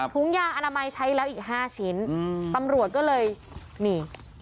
ครับหุ้งยาอนามัยใช้แล้วอีก๕ชิ้นอืมตำรวชก็เลยนี่